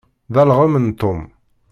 D alɣem n Tom.